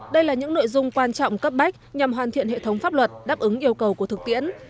đây là những nội dung quan trọng cấp bách nhằm hoàn thiện hệ thống pháp luật đáp ứng yêu cầu của thực tiễn